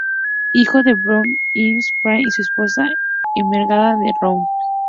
Hijo de Borrell I de Pallars y su esposa Ermengarda de Rouergue.